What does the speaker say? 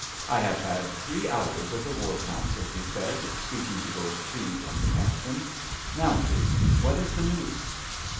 "I have had three hours of the War Council," he said, speaking to both Treves and the Captain. "Now, Treves, what is the news?"